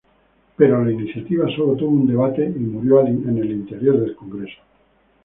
Pero la iniciativa sólo tuvo un debate y murió al interior de congreso.